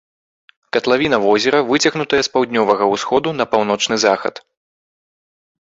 Катлавіна возера выцягнутая з паўднёвага ўсходу на паўночны захад.